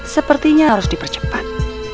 sepertinya harus dipercepat